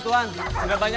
kemana ular itu